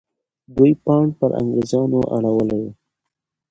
دوی پاڼ پر انګریزانو اړولی وو.